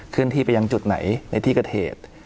ขึ้นที่ไปยังจุดไหนในที่กระเทศ